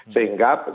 sehingga setelah itu